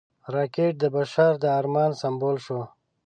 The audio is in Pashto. راکټ د بشر د ارمان سمبول شو